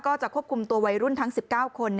ก็จะควบคุมตัววัยรุ่นทั้ง๑๙คน